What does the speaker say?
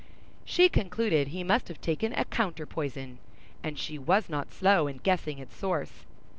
She concluded he must have taken a counter poison, and she was not slow in guessing its source.